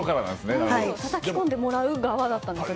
たたき込んでもらう側だったんですね。